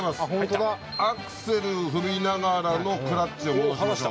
アクセル踏みながらのクラッチを戻しましょう。